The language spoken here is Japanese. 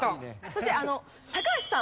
そして高橋さん。